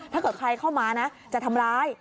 ถ้าเกิดใครเข้ามานะจะทำร้าย